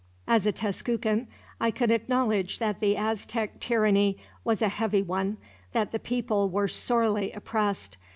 As a Tezcucan, I can acknowledge that the Aztec tyranny was a heavy one, that the people were sorely oppressed.